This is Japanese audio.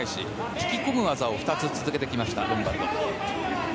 引き込む技を２つ続けてきましたロンバルド。